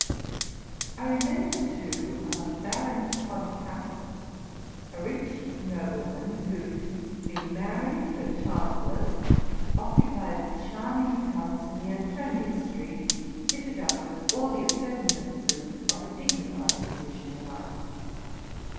I remember, too, a Baron von Hakel, a rich nobleman, who, being married, but childless, occupied a charming house in the Antonius Street, fitted up with all the appurtenances of a dignified position in life.